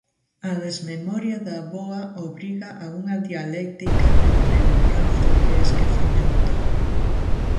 A desmemoria da avoa obriga a unha dialéctica entre lembranza e esquecemento.